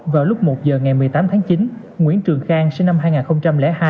vào lúc một giờ ngày một mươi tám tháng chín nguyễn trường khang sinh năm hai nghìn hai